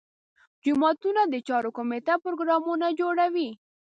جوماتونو د چارو کمیټه پروګرامونه جوړوي.